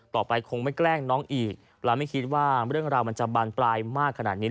คงไม่แกล้งน้องอีกและไม่คิดว่าเรื่องราวมันจะบานปลายมากขนาดนี้